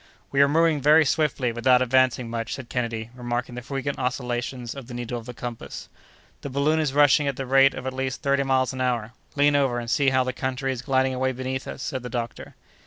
"We are moving very swiftly without advancing much," said Kennedy, remarking the frequent oscillations of the needle of the compass. "The balloon is rushing at the rate of at least thirty miles an hour. Lean over, and see how the country is gliding away beneath us!" said the doctor.